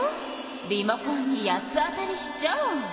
リモコンに八つ当たりしちゃ！